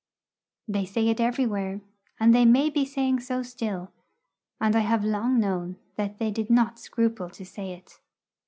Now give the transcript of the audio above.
They say it everywhere, and they may be saying so still, and I have long known that they did not scruple to say it.